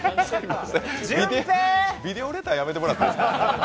ビデオレターやめてもらっていいですか。